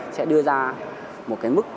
sẽ đưa ra một cái mức